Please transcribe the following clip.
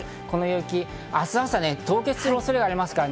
この雪、明日、朝、凍結する恐れがあります。